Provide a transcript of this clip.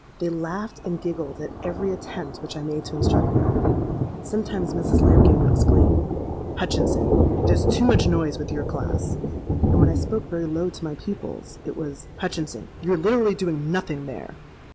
They laughed and giggled at every attempt which I made to instruct them. Sometimes Mrs. Lambkin would exclaim, 'Hutchinson, there's too much noise with your class;'—and when I spoke very low to my pupils, it was, 'Hutchinson, you're literally doing nothing there!'